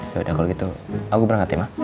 ya udah kalau gitu aku berangkat ya ma